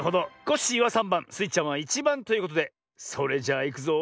コッシーは３ばんスイちゃんは１ばんということでそれじゃあいくぞ。